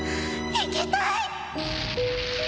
生きたい！